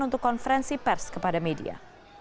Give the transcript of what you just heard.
untuk konferensi pers kepada media